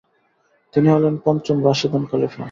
তিনি হলেন পঞ্চম রাশিদুন খলিফা।